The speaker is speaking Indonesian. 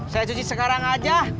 saya cuci sekarang aja